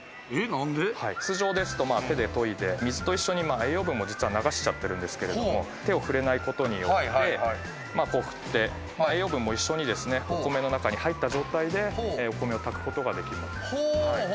通常ですと手で研いで水と一緒に栄養分も実は流しちゃってるんですが、手を触れないことによって、栄養分も一緒にお米の中に入った状態でお米を炊くことができます。